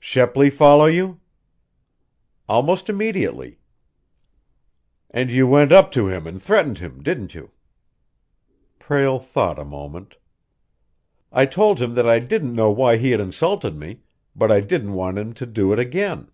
"Shepley follow you?" "Almost immediately." "And you went up to him and threatened him, didn't you?" Prale thought a moment. "I told him that I didn't know why he had insulted me, but I didn't want him to do it again."